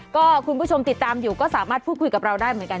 ก็คุณผู้ชมติดตามอยู่ก็สามารถพูดคุยกับเราได้เหมือนกัน